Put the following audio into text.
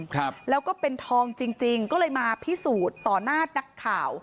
ครับแล้วก็เป็นทองจริงจริงก็เลยมาพิสูจน์ต่อหน้านักข่าว